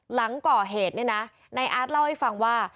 หลังก่อเหตุเนี่ยนะนายอาร์ตเล่าให้ฟังว่า